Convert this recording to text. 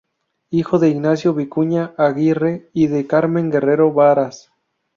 Hijo de Ignacio Vicuña Aguirre y de Carmen Guerrero Varas.